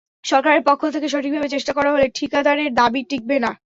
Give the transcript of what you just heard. সরকারের পক্ষ থেকে সঠিকভাবে চেষ্টা করা হলে ঠিকাদারের দাবি টিকবে না।